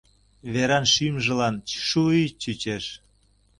Веран шӱмжылан шуй-й чучеш.